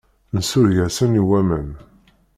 Nsureg-asen i waman.